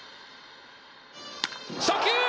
初球！